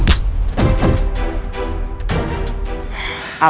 kita sudah dihentikan